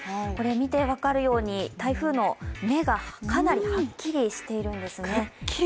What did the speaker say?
見て分かるように台風の目がかなりはっきりしているんですね。